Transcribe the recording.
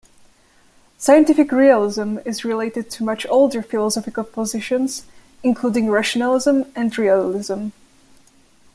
Scientific realism is related to much older philosophical positions including rationalism and realism.